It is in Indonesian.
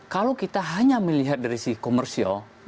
kalau kita hanya melihat dari si komersil